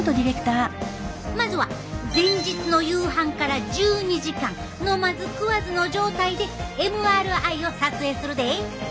まずは前日の夕飯から１２時間飲まず食わずの状態でＭＲＩを撮影するで。